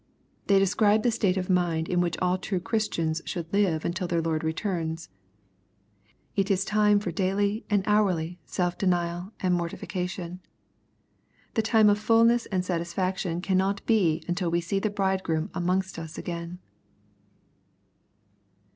They describe the state of mind in which all true Christians should live until their Lord returns. It is time for daily and hourly self denial, and mor tification. The time of fulness and satisfaction cannot be until we see the Bridegroom amongst us again.